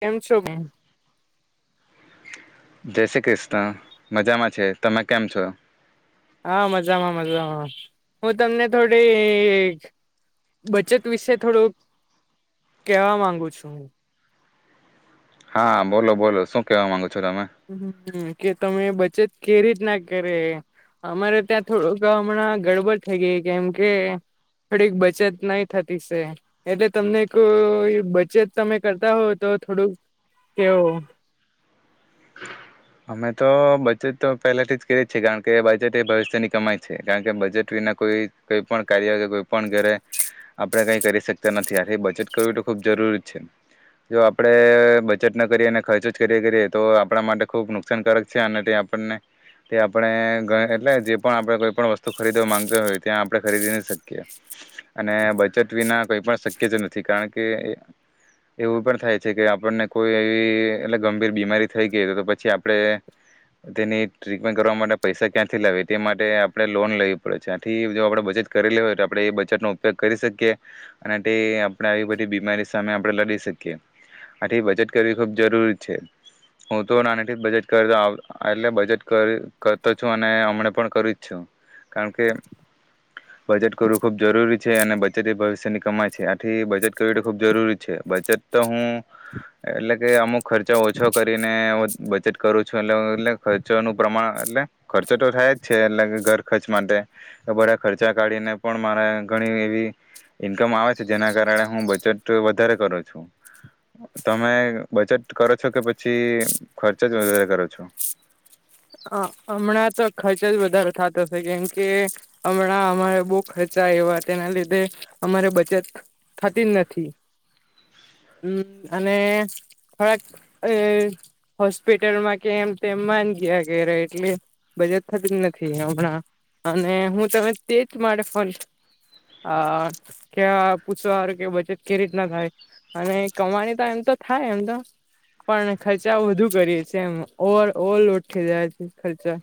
કેમ છો? જય શ્રી ક્રિષ્ણ મજામાં છે તમે કેમ છો હા મજામાં મજામાં હું તમને થોડી બચત વિશે થોડું કેવા માંગુ છું. હા બોલો બોલો શું કેવા માંગુ છો તમે હ હમ હ કે તમે બચત કે રીતના કરે અમારે ત્યાં થોડુંક હમણાં ગડબડ થઈ ગઈ કેમ કે થોડીક બચત નહી થતી છે એટલે તમને કો બચત તમે કરતા હોવ તો થોડુંક કેવો અમે તો બજેટ તો પહેલાથી જ કરી છએ કારણ કે બજેટ એ ભવિષ્યની કમાય છે કારણ કે બજેટ વિના કોઈ કઈ પણ કાર્ય કે કોઈ પણ ઘરે આપણે કઈ કરી શકતા નથી આ બજેટ કરવું તો ખૂબ જરૂરી છે જો આપણે બજેટ ન કરીએ અને ખર્ચો જ કરીએ કરીએ તો આપણા માટે ખૂબ નુકસાનકાર છે અને તે આપણને તે આપણે એટલે [unintelligible] જે પણ આપણે કોઈ પણ વસ્તુ ખરીદવા માંગતા હોય ત્યાં આપણે ખરીદી ન શકીએ અને બચત વિના કઈ પણ શક્ય જ નથી કારણ કે એવું પણ થાય છે કે આપણને કોઈ એવી એટ ગંભીર બીમારી થઈ ગઈ તો આપણે તેની ટ્રીટમેન્ટ કરવા માટે પૈસા ક્યાંથી લાવ તે માટે આપણે લોન લેવી પડે છે આથી જો આપણે બચત કરીલીે હોય તો આપણે એ બચતનોો ઉપયોગ કરી શકીએ અને તે આપણે આવી બધી બીમારી સામે આપણે લડી શકીએ આથી બચત કરવી ખૂબ જરૂરી છે હું તો બેટ કરતો એટલે બજેટ કરતો છું અને હમને પણ કરું જ છું કારણ કે બજેટ કરવું ખૂબ જરૂરી છે અને બચેટ એ ભવિષ્યની કમાઈ છે આથી બજેટ કરવી એ તો ખૂબ જરૂરી છે બજેટ તો હું એટલે કે અમુક ખર્ચા ઓછો કરીને બચેટ કરું છું એટલે એટ ખર્ચોનું પ્રમાણ એટલે ખર્ચો તો થાય જ છે એટલે ઘર ખર્ચ માટે બધા ખર્ચા કાઢીને પણ મારે ઘણી એવી ઈન્કમ આવે છે જેના કારણે હું બચેટ વધારે કરું છું તમે બચેત કરો છો કે પછી ખર્ચ જ વધારે કરો છો હમણાં તો ખર્ચ જ વધારે થતોશે કેમ કે હમણાં અમારે બહુ ખર્ચા એવા તેના લીધે અમારે બચત થતી જ નથી હમ અને થોડાક હોસ્પિટલમાં કેમ તેમ માન ગયા એટલી બજેટ થતી જ નથી હમણાં અને હું તમે તેજ માટે ફ ક પૂછવા કે બજેટ કે રીતના થાય અને કમાની તો એમ તો થાય એમ તો પણ ખર્ચા વધુ કરીએએ એમ ઓવર ઓલ ખ ખર્ચા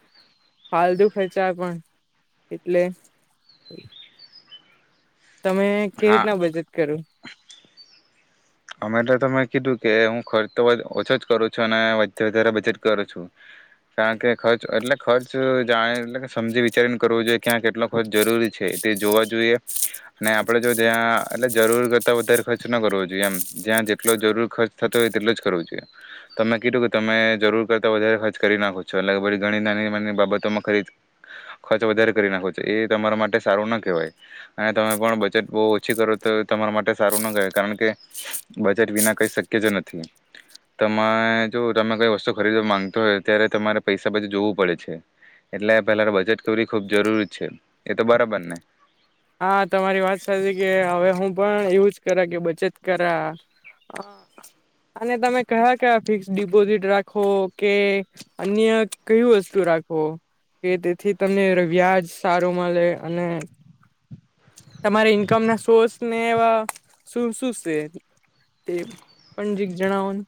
ફાલતુ ખર્ચા પણ એટલે તમે કે હા રીતના બચત કરો અમે એટલે તો તમે કીધું કે હું ખર્ચ તો વ ઓછો જ કરું છું અનેે વધારે બજેટ કરું છું કારણ કે ખર્ચ એટલે ખર્ચ જાણે એટ સમજી વિચારીને કરવું જોઈએ ક્યાં કેટલો ખર્ચ જરૂરી છે. તે જોવા જોઈએ અને આપડે જો ત્યાં એટલે જરૂર કરતા વધારે ખર્ચ ન કરવો જોઈએ એમ જ્યાં જેટલો જરૂર ખર્ચ થતો હોય તેટલો જ કરવો જોઈએ તમે કીધું કે તમે જરૂર કરતા વધારે ખર્ચ કરી નાખો છો ઘણી નાની નાની બાબતોમાં ખ ખર્ચ વધારે કરી નાખો છો એ તમારા માટે સારું ના કહેવાય અને તમે પણ બજેટ બહુ ઓછી કરો તો એ તમારા માટે સારું ના કહેવાય કારણ કે બજેટ વિના કઈ શક્ય જ નથી તમારે જો તમે કઈ વસ્તુ ખરીદવા માંગતો હોય ત્યારે તમારે પૈસા બધુ જોવું પડે છે એટલે પેલા બજેટ કરરી ખૂબ જરૂરી છે એ તો બરાબર ને હા તમારી વાત સચી કે હવે હું પણ એવું જ કરા કે બચત કરા અને તમે કયા કયા ફિક્સ ડિપોઝિટ રાખો કે અન્ય કયુ વસ્તુ રાખો કે તેથી તમને વ્યાજ સારો મળે અને તમારી ઈન્કમ ના સોર્સ ને એવા શું શું છે તે પણજીક જણાવોનું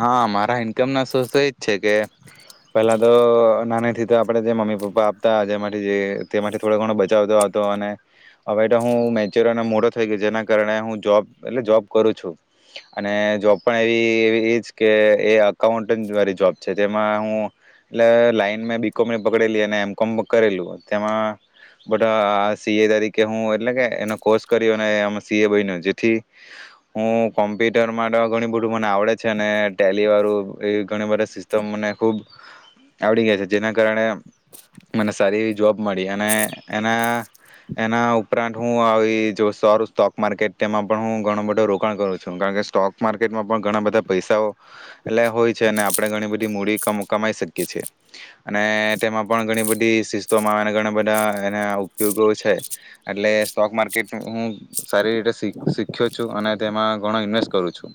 હા મારા ઈન્કમ ના સોર્સ તો એજ છે કે પહેલા તો નાનીથી તો આપડે જે મમ્મી પપ્પા આપતા જે જે તે માટે થોડો ઘણો બચાવતો આવતો અને હવે તો હું મેચ્યોર અને મોડો થઈ ગયો જેના કારણે હું જોબ એટલે જોબ કરું છું અને જોબ પણ એવી એજ કે અકાઉન્ટ વાળી જોબ છે તેમાં હું એટલે લાઈન બીકોમ પકડેલી અને એમ કોમ કરેલું તેમાં બટ આ સી એ તરીકે હું એટલે કે એનો કોર્સ કર્યો એ સી એ બન્યો જેથી હું કોમ્પ્યુટર માટે ઘણ બધું મને આવડે છે અને ટેલીવાળું એવી ઘણી બધી સિસ્ટમ મને ખૂબ આવડી ગયા છે જેના કારણે મને સારી એવી જોબ મળી અને એના એના ઉપરાંત હું આવી જો સ સ્ટોક માર્કેટ તેમાં પણ હું ઘણું મોટું રોકાણ કરું છું કારણ કે સ્ટોક માર્કેટમાં પણ ઘણા બધા પૈસાઓ એટલે હોય છે અને આપણે ઘણી બધી મૂડી કમાઈ શકીએ છીએ અને તેમાં પણ ઘણી બધી શિસ્તોમાં આવે અને ઘણા બધા એના ઉપયોગો છે એટલે સ્ટોક માર્કેટ હું સારી રીતે શીખ્યો છું અને તેમાં ઘણો ઇન્વેસ્ટ કરું છું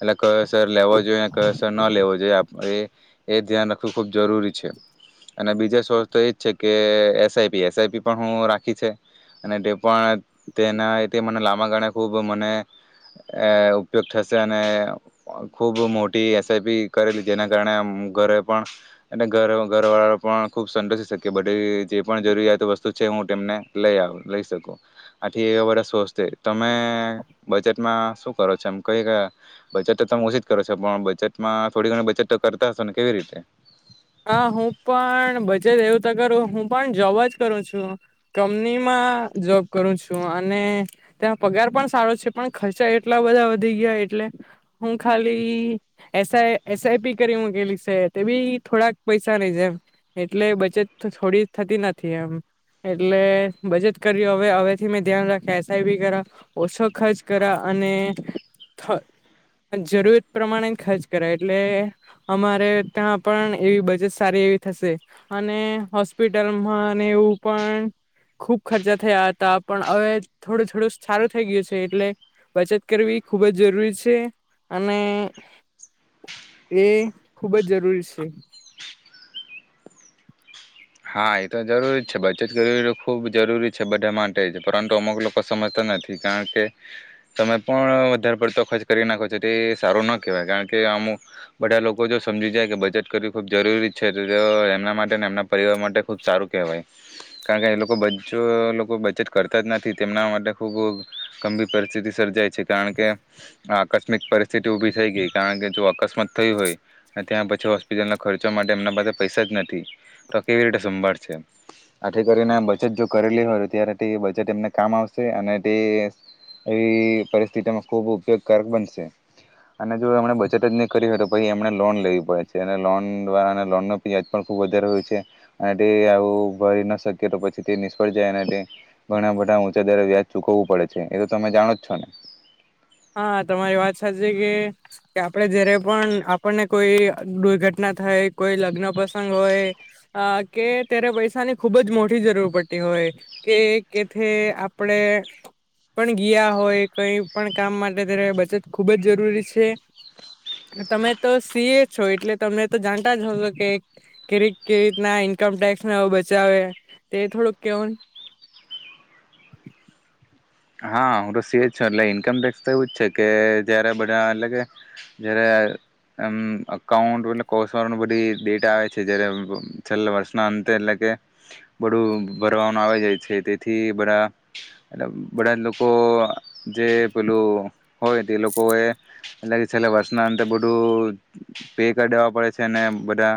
એટલે કયોસર લેવો જોઈએ કયોસર ન લેવો જોઈએ આપ એ એ ધ્યાન રાખવું ખૂબ જરૂરી છે અને બીજા સોર્સ તો એ જ છે કે એસઆઈપી એસઆઈપી પણ હું રાખી છે અને તે પણ તેના તે મને લાંબા ગાળ ખૂબ મને ઉપયોગ થશે અને ખૂબ મોટી એસઆઈપી કરેલી જેના કારણે ઘરે પણ એ ઘર ઘર વાળા પણ ખૂબ સંતોષી શકીએ બધી જે પણ જરૂરિયાત વસ્તુ છે હું તેમને લઈ આવ લઈ શકું આથી એવા બધા સોસ છે તમે બજેટમાં શું કરો છો એમ કઈ બચત તો તમે ઓછી જ કરો છો પણ બચતમાં થોડી ઘણી બચત તો કરતા હશો ને કેવી રીતે હા હું પણ બચત એવું તો કરું હું પણ જોબ જ છું કંપનીમાં જોબ કરું છું અને ત્યાનો પગાર પણ સારો છે પણ ખર્ચા એટલા બધા વધી ગયા એટલે હું ખાલી એસઆઈપી કરી મૂકેલી છે તે બી થોડાક પૈસા નહી જેમ એટલે બચત થોડી થતી નથી એમ એટલે બચત કરી હવે હવેથી મેં ધ્યાન રાખ એસઆઈ બી કરા ઓછો ખર્ચ કરા અને જરૂરત પ્રમાણે ખર્ચ કરાય એટલે અમારે ત્યાં પણ એવી બચત સારી એવી થશે અને હોસ્પિટલમાં અને એવું પણ ખૂબ ખર્ચા થયા હતા પણ હવે થોડું થોડું સારું થઈ ગયું છે એટલે બચત કરવી ખૂબ જ જરૂરી છે અને એ ખૂબ જ જરૂરી છે. છે. હા એ તો જરૂરી છે બચત કરવી ખૂબ જરૂરી છે બધા માટે જ પરંતુ અમુક લોકો સમજતા નથી કારણ કે સમય પણ વધારે પડતો ખર્ચ કરી નાખો છો તો એ સારો ના કહેવાય કારણ કે અમુ બધા લોકો જો સમજી જાય કે બચત કરવી ખૂબ જરૂરી છે તો એમના માટે ને એમના પરિવાર માટે ખૂબ સારું કહેવાય કારણ કે એ લોકો બ લોકો બચત કરતા જ નથી તેમના માટે ખૂબ ગંભીર પરિસ્થિતિ સર્જાય છે કારણ કે આકસ્મિક પરસ્ સ્થિતિ ઉભી થઈ ગઈ કારણ કે જો અકસ્ [unintelligible] અકસ્માત થયું હોય અને ત્યાં પછી હોસ્પિટલના ખર્ચો માટે એમના પાસે પૈસા જ નથી તો? - કેવી રીતે સંભાળ સે આથી કરીને બચત જો કરેલી હોય તો ત્યારે તે બચત એમને કામ આવશે અને તે એવી પરિસ્થિતિમાં ખૂબ ઉપયોગકારક બનશે અને જો એમણે બચત જ નહીં કરી હોય તો પછી એમણે લોન લેવી પડે છે અને લોન દ્વારા લોનનો પિયાજ પણ ખૂબ વધારે હોય છે અને તે આવું ભરી ના શકએ તો પછી તે નિષ્ફળ જાય અને ઘણા બધા ઊંચા દરે વ્યાજ ચૂકવવું પડે છે એ તો તમે જાણો જ છો ને. હા તમારી વાત સાચી કે. કે આપણેે જયારે પણ આપણને કોઈ દુર્ઘટના થાય કોઈ લગ્ન પસંગ હોય કે ત્યારે પૈસાની ખુબ જ મોટી જરૂર પડતી હોય કે કે આપણેે પણ ગયા હોય કઈ પણ કામ માટે ત્યારે બચત ખુબ જ જરૂરી છે તમે તો સીએ છો એટલે તમે તો જાણતા જ હોશો કે કે કેવી રીતના ઈન્કમ ટેક્સ બચાવે તે થોડુંક કિયોન. હા હું તો સી એ જ છું એટલે ઈન્કમ ટેક્સ તો એવું જ છે કે જયારે બધા એટલે કે જયારે અમ અકાઉન્ટ એ કોષ વા બધી ડેટ આવે છે જ છેલ્લા વર્ષના અંતે એટલે કે બધું ભરવાનું આવે જાય છે તેથી બધા એટ બધા લોકો જે પેલું હોય તે લોકોએ અ છેલ્લા વર્ષના અંદર બધું પે કરી દેવા પડે છે બધા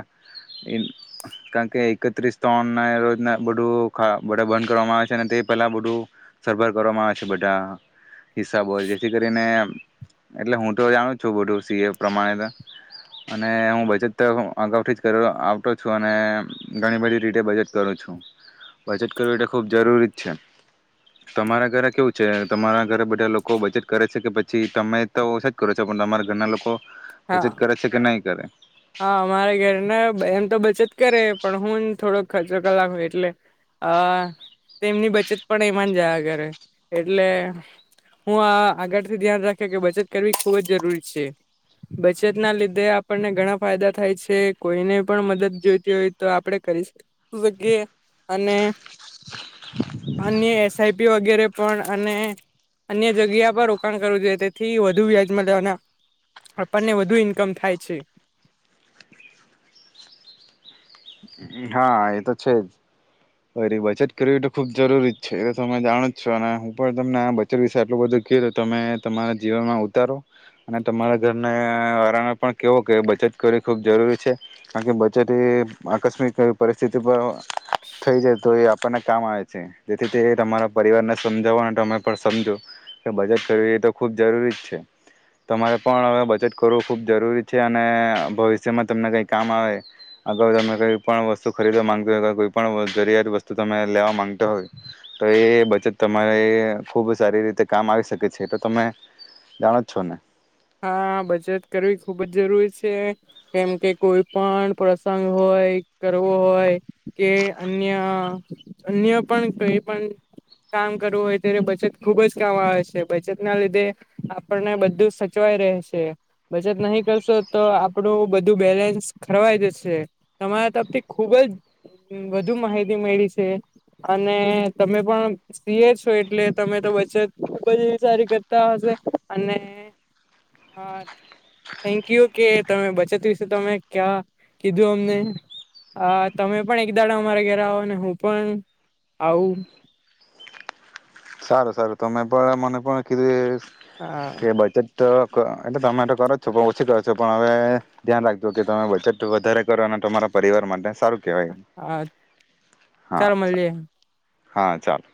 કારણ કે એકત્રીસ ત્રણના રોજના બધુ બધા બંધ કરવામાં આવે છે અને તે પહેલાં બધું સરભર કરવામાં આવે છે બધા હિસાબો જેથી કરીને એટલે હું તો જાણું છું બધુ સી એ પ્રમાણે અને હું બજત તો અગાઉથી જ આવતો છું અને ઘણી બધી રીતે બજત કરુ છું બજત કરવું એ ખૂબ જરૂરી જ છે. તમારા ઘરે કેવું છે તમારા ઘરે બધા લોકો બચત કરે છે કે પછી તમે તો ઓછા જ કરો છો પણ તમારા ઘરના લોકો હા બચત કરે છે કે નહી કરે. હા મારે ઘર ને એમ તો બચત કરે પણ હું થોડોક ખર્ચો કર નાખું એટલે તેમની બચત પણ એમાં જ જયા કરે એટલે હું આગળથી ધ્યાન રાખે કે બચત કરવી ખૂબ જ જરૂરી છે બચત ના લીધે આપણને ઘણા ફાયદા થાય છે કોઈને પણ મદદ જોઈતી હોય તો આપડે કરી શકીએ અને અન્ય એસ આઈ પી વગેરે પણ અને અન્ય જગ્યા પર રોકાણ કરવું જોઈએ તેથી વધુ વ્યાજમાં મલે ને આપણને વધુ ઇન્કમ થાય છે. હા એ તો છે જ બચત કરવી તો ખુબ જરૂરી જ છે એ તમે જાણો જ છો અને હું પણ તમને આ બચત વિશે આટલું બધું કધું તમે તમારા જીવનમાં ઉતારો અને તમારા ઘરને વારા પણ કેવો કે બચત કરવી ખૂબ જરૂરી છે કાર કે બચત એ આકસ્મિકરીતે જરૂરી કઈ પરિસ્થિતિ પર થઈ જાય તો એ આપણને કામ આવે છે. જેથી તે તમારા પરિવારને સમજાવો અને તમે પણ સમજો કે બચત કરવી એ તો ખૂબ જરૂરી જ છે. તમારે પણ હવે બચત કરવું ખૂબ જરૂરી છે અને ભવિષ્યમાં તમને કંઈ કામ આવે અગાઉ તમે કંઈ કો પણ વસ્તુ ખરીદવા માંગતી હોય કે કોઈ પણ જરિયાત વસ્તુ તમે લેવા માંગતો હોય તો એ બચત તમારે ખુબ સારી રીતે કામ આવી શકે છે એ તો તમે જાણો જ છો ને. હા બચત કરવી ખૂબ જ જરૂરી છે કેમ કે કોઈ પણ પ્રસંગ હોય કરવો હોય કે અન્ય અન્ય પણ કઈ પણ કામ કરવું હોય ત્યારે બચત ખુબ જ કામ આવે છે બચત ના લીધે આપણને બધું સ ચવાઈ રેસે બચત નહી કરશો તો આપણું બધું બેલેન્સ ખરવાય જશે તમારા તરફ થી ખુબ જ વધુ માહિતી મળી છે અને તમે પણ સી એ છો એટલે તમે તો બચત ખુબ જ સારી કરતા હશે અને હા થેન્કયુ કે તમે બચત વિશે તમે ક્યાં કીધું અમને તમે પણ એક દાડા અમારા ઘરે આવોને હું પણ આવું સારું સારું તમે પણ મને પણ કીધું.? હા કે બચત? તો ક એટલે તમે તો કરો છો પણ ઓછી કરો છો પણ હવે ધ્યાન રાખજો કે તમે બચેટ વધારે કરો અને તમારા પરિવાર માટે સારું કહેવાય હા હા ચાલ મળ હા ચાલો